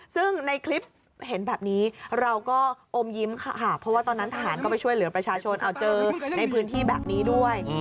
ซึ่งในคลิปเห็นแบบนี้เราก็อมยิ้มค่ะเพราะว่าตอนนั้นทหารก็ไปช่วยเหลือประชาชนเอาเจอในพื้นที่แบบนี้ด้วย